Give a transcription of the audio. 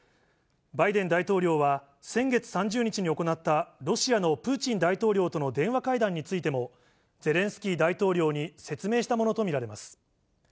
バイデン大統領は、先月３０日に行ったロシアのプーチン大統領との電話会談についても、ゼレンスキー大統領に説明したものと見られます。